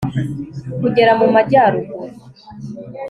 kugera mu majyaruguru